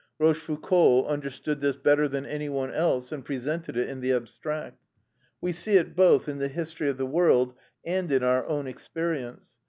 Rochefoucault understood this better than any one else, and presented it in the abstract. We see it both in the history of the world and in our own experience.